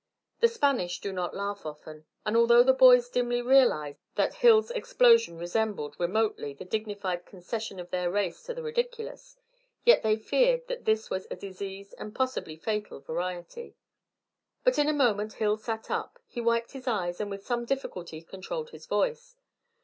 The Spanish do not laugh often, and although the boys dimly realised that Hill's explosion resembled remotely the dignified concession of their race to the ridiculous, yet they feared that this was a diseased and possibly fatal variety. But in a moment Hill sat up. He wiped his eyes, and with some difficulty controlled his voice.